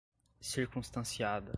circunstanciada